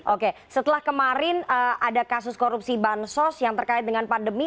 oke setelah kemarin ada kasus korupsi bansos yang terkait dengan pandemi